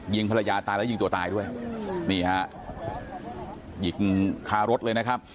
ภรรยาตายแล้วยิงตัวตายด้วยนี่ฮะยิงคารถเลยนะครับ